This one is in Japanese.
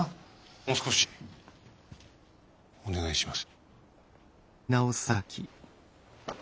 もう少しお願いします。